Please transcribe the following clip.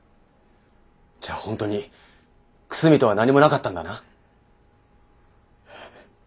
じゃあ本当に楠見とは何もなかったんだな？